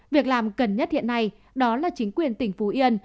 việc làm cần nhất hiện nay đó là chính quyền tỉnh phú yên